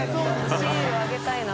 シールあげたいな。